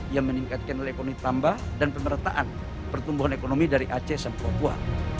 yang meningkatkan nilai ekonomi tambah dan pemerataan pertumbuhan ekonomi dari aceh sampai papua